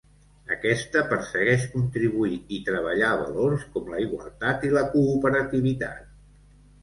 Aquesta persegueix contribuir i treballar valors com la igualtat i la cooperativitat.